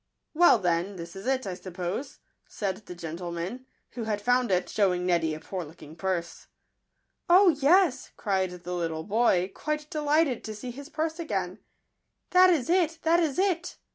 " Well, then, this is it, I suppose," said the gentleman, who had found it, shewing Neddy a poor looking purse. " Oh, yes," cried the little boy, quite delighted to see his purse again ;" that is it, that is it!"